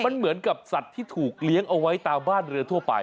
มันเหมือนกับสัตว์ที่ถูกเลี้ยงเอาไว้ตามบ้านเรือทั่วไป